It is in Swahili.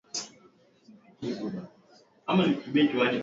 na kuendelea hadi mwaka elfu mbili kumi na tatu